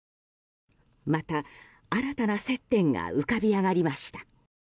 また新たな接点が浮かび上がりました。